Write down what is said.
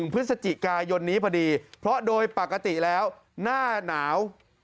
พฤศจิกายนนี้พอดีเพราะโดยปกติแล้วหน้าหนาว